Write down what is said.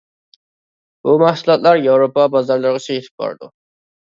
بۇ مەھسۇلاتلار ياۋروپا بازارلىرىغىچە يېتىپ بارىدۇ.